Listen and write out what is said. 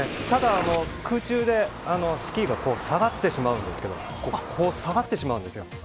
ただ、空中で、スキーが下がってしまうんですけど、こう下がってしまうんですよ。